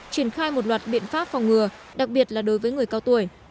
triển khai một loạt biện pháp phòng ngừa đặc biệt là đối với người cao tuổi